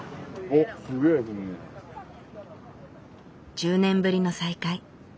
１０年ぶりの再会。